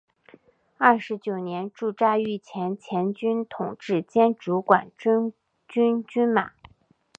二十九年驻扎御前前军统制兼主管中军军马。